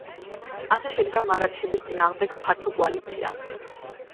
ასე შედგა მარატჰების წინააღმდეგ ფართო კოალიცია.